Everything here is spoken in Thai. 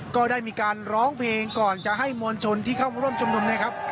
ก็ได้มีการร้องเพลงก่อนจะให้มวลชนที่เข้ามาร่วมชุมนุมนะครับ